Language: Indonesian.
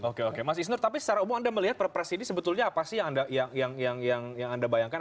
oke oke mas isnur tapi secara umum anda melihat perpres ini sebetulnya apa sih yang anda bayangkan